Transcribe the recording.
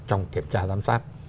trong kiểm tra giám sát